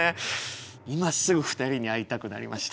今すぐ２人に会いたくなりました。